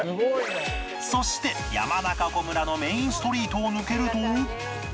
そして山中湖村のメインストリートを抜けると